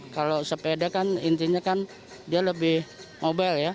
kalau sepeda kan intinya kan dia lebih mobile ya